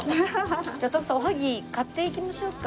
じゃあ徳さんおはぎ買っていきましょうか。